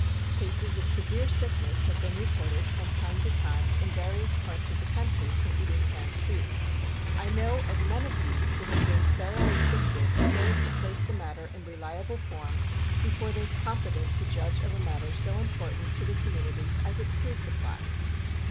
Cases of severe sickness have been reported from time to time in various parts of this country from eating canned food. I know of none of these that have been thoroughly sifted so as to place the matter in reliable form before those competent to judge of a matter so important to the community as its food supply.